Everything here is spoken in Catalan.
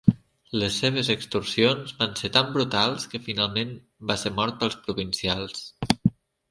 Les seves extorsions van ser tan brutals que finalment va ser mort pels provincials.